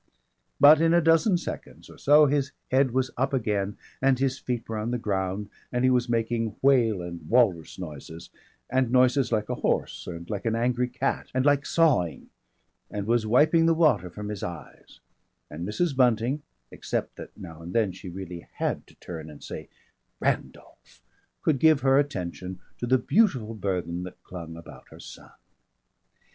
But in a dozen seconds or so his head was up again and his feet were on the ground and he was making whale and walrus noises, and noises like a horse and like an angry cat and like sawing, and was wiping the water from his eyes; and Mrs. Bunting (except that now and then she really had to turn and say "_Ran_dolph!") could give her attention to the beautiful burthen that clung about her son.